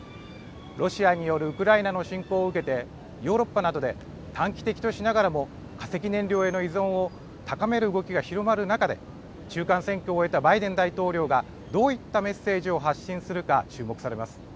ロシアによるウクライナの侵攻を受けてヨーロッパなどで短期的としながらも化石燃料への依存を高める動きが広まる中で中間選挙を終えたバイデン大統領がどういったメッセージを発信するか注目されます。